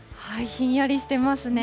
ひんやりしてますね。